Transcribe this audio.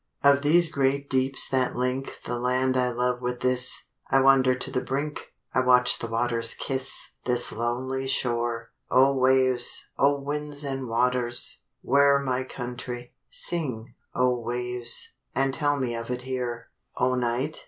Of these great Deeps that link The land I love with this, I wander to the brink, I watch the waters kiss This lonely shore. O Waves, O Winds and Waters, where My country? Sing, O Waves, And tell me of it here. O Night?